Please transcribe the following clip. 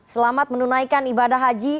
selamat menunaikan ibadah haji